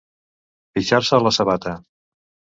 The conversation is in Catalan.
Pixar-se a la sabata.